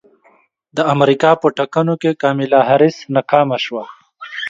د امریکا په ټاکنو کې کاملا حارس ناکامه شوه